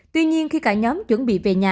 tuy nhiên khi cả nhóm chuẩn bị